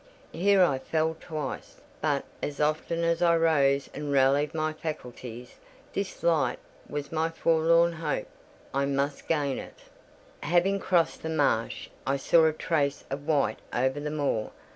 Here I fell twice; but as often I rose and rallied my faculties. This light was my forlorn hope: I must gain it. Having crossed the marsh, I saw a trace of white over the moor.